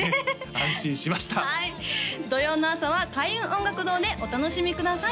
安心しましたはい土曜の朝は開運音楽堂でお楽しみください